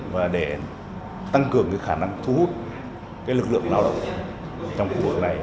và để tăng cường khả năng thu hút lực lượng lao động trong khu vực này